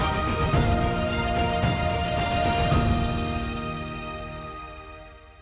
berjalan akan terkesan untuk mereka bersejarah di darjah perlu sangat lelaki